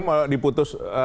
sekarang mau diputus